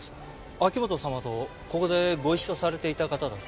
秋本様とここでご一緒されていた方だと。